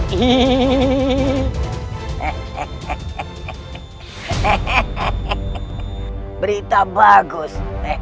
hehehe berita bagus